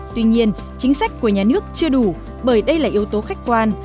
tuy nhiên chính sách của nhà nước chưa đủ bởi đây là yếu tố khách quan